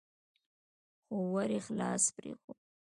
خو ور يې خلاص پرېښود.